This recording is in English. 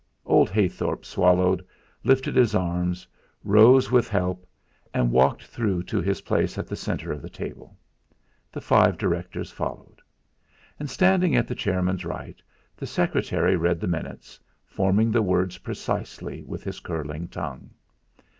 Old Heythorp swallowed, lifted his arms, rose with help, and walked through to his place at the centre of the table. The five directors followed. And, standing at the chairman's right, the secretary read the minutes, forming the words precisely with his curling tongue.